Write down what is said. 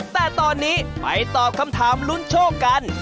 แต่ตอนนี้ไปตอบคำถามลุ้นโชคกัน